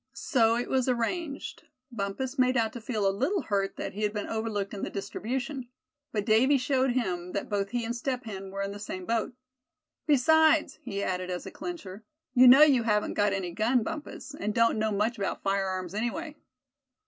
So it was arranged. Bumpus made out to feel a little hurt that he had been overlooked in the distribution; but Davy showed him that both he and Step Hen were in the same boat. "Besides," he added as a clincher, "you know you haven't got any gun, Bumpus; and don't know much about firearms anyway."